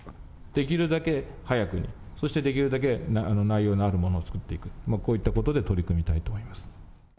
できるだけ早くに、そしてできるだけ内容のあるものを作っていきたい、こういったことで取り組みたいと思います。